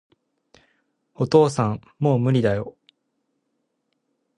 お父さん、もう無理だよ